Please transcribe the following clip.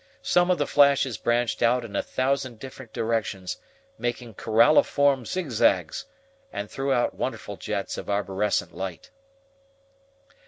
Some of the flashes branched out in a thousand different directions, making coralliform zigzags, and threw out wonderful jets of arborescent light.